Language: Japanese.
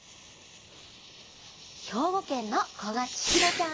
ひょうごけんのこがちひろちゃん３さいから。